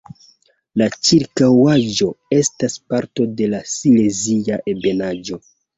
La ĉirkaŭaĵo estas parto de Silezia ebenaĵo.